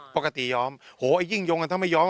ย้อมโหยิ่งยงกันถ้าไม่ย้อม